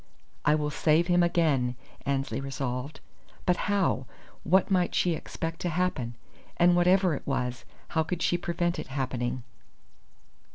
"I will save him again," Annesley resolved. But how? What might she expect to happen? And whatever it was, how could she prevent it happening?